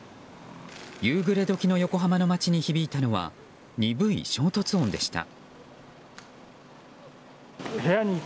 夕暮れ時の横浜の街に響いたのは鈍い衝突音でした。